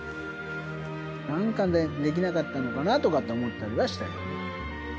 なんかできなかったのかなとかって思ったりはしたよね。